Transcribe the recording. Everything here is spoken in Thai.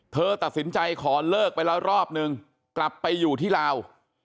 เธอตัดสินใจขอเลิกไปแล้วรอบนึงกลับไปอยู่ที่ลาว